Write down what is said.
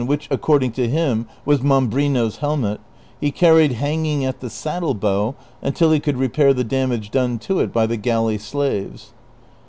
which according to him was Mambrino's helmet, he carried hanging at the saddle bow until he could repair the damage done to it by the galley slaves.